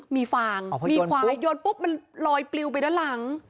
มีฟางมีควายโพบมิลลอยปลิวไปด้านหลัง